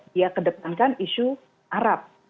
dia kedepankan isu arab